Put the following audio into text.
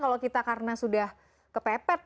kalau kita karena sudah kepepet